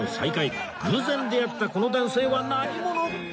偶然出会ったこの男性は何者？